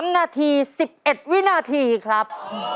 ๓นาที๑๑วินาทีครับ